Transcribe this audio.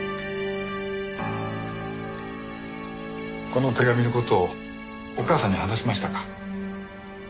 この手紙の事をお母さんに話しましたか？